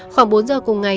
khoảng bốn giờ cùng ngày